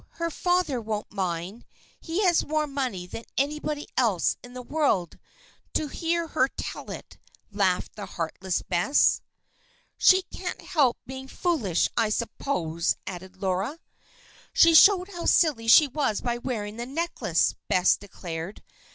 her father won't mind. He has more money than anybody else in the world to hear her tell it," laughed the heartless Bess. "She can't help being foolish, I suppose," added Laura. "She showed how silly she was by wearing the necklace," Bess declared.